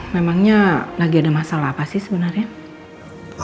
memangnya lagi ada masalah apa sih sebenarnya